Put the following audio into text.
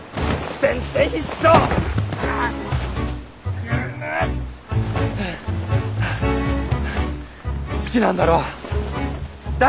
大好きなんだろ？